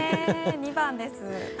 ２番です。